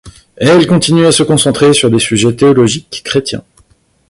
Elles continuent à se concentrer sur des sujets théologiques chrétiens.